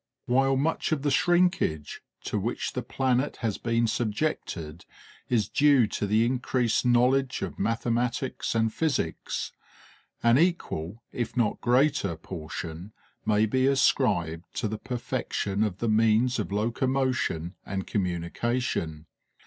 While much of the shrinkage to which the planet has been subjected is due to the increased knowledge of mathematics and physics, an equal, if not greater, portion may be ascribed to the perfection of the means of locomotion and communication.